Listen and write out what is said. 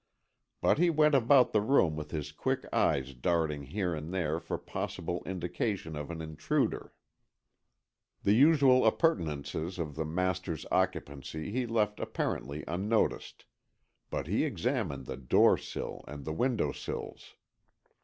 But he went about the room with his quick eyes darting here and there for possible indication of an intruder. The usual appurtenances of the master's occupancy he left apparently unnoticed, but he examined the door sill and the window sills.